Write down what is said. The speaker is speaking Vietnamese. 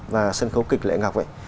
và sân khấu kịch lệ ngọc